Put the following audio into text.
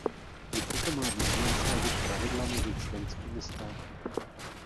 I proto má význam sladit pravidla mezi členskými státy.